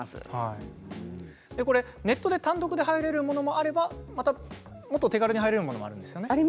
ネットで単独で入れるものもあればもっと手軽に入れるものもあるんですよね。